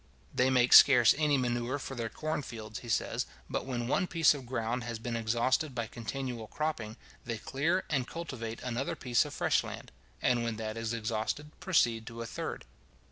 They make scarce any manure for their corn fields, he says; but when one piece of ground has been exhausted by continual cropping, they clear and cultivate another piece of fresh land; and when that is exhausted, proceed to a third.